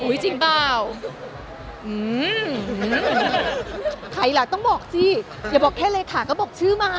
หื้อหื้อใครละต้องบอกจริงไม่บอกแค่เลยคาก็บอกชื่อมา